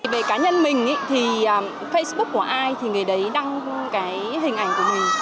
về cá nhân mình thì facebook của ai thì người đấy đăng cái hình ảnh của mình